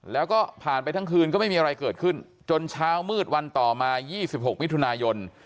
แล้วก็ผ่านไปทั้งคืนก็ไม่มีอะไรเกิดขึ้นจนเช้ามืดวันต่อมา๒๖มิถุนายน